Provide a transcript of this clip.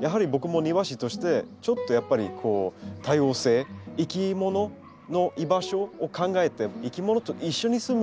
やはり僕も庭師としてちょっとやっぱり多様性いきものの居場所を考えていきものと一緒に住む環境